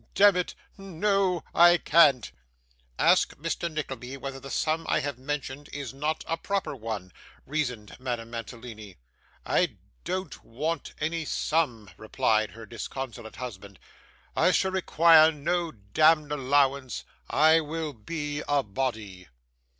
Demmit, no I can't.' 'Ask Mr. Nickleby whether the sum I have mentioned is not a proper one,' reasoned Madame Mantalini. 'I don't want any sum,' replied her disconsolate husband; 'I shall require no demd allowance. I will be a body.